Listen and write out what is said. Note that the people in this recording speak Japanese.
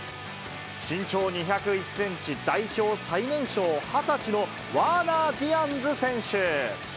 身長２０１センチ、代表最年少、２０歳のワーナー・ディアンズ選手。